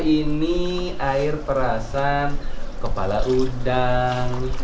ini air perasan kepala udang